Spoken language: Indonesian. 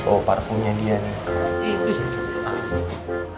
oh parfumnya dia nih